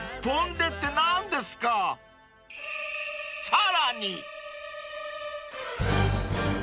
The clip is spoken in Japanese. ［さらに］